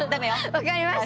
わかりました。